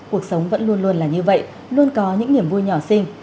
cuộc sống vẫn luôn luôn là như vậy luôn có những niềm vui nhỏ sinh